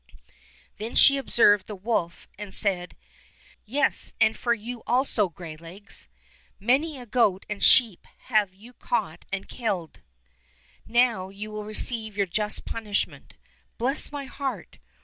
Then she observed the woK and said: "Yes, and for you also, Greylegs. Many a goat and sheep have you caught and killed. Now you will receive your just punishment. Bless my heart!